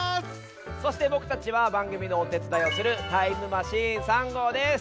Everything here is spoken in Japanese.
そしてぼくたちはばんぐみのおてつだいをするタイムマシーン３号です。